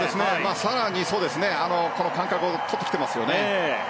更に間隔をとってきてますね。